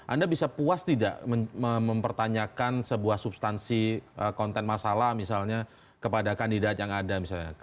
anda bisa puas tidak mempertanyakan sebuah substansi konten masalah misalnya kepada kandidat yang ada misalnya